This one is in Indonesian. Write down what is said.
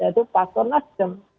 yaitu faktor nasdem